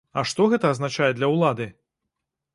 А што гэта азначае для ўлады?